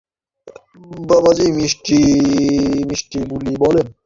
বাবাজী মিষ্ট মিষ্ট বুলি বলেন, আর আটকাইয়া রাখেন।